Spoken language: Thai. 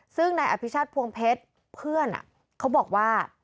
ซึ่งนายอภิชาติพวงเพชรเพื่อนเขาบอกว่า